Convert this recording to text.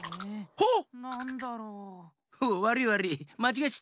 ほっ。